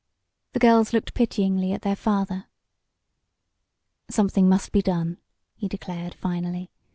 The girls looked pityingly at their father. "Something must be done," he declared, finally.